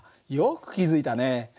よく気付いたね。